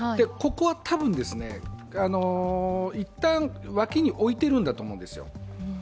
ここは多分、いったん脇に置いてるんだと思うんですよ。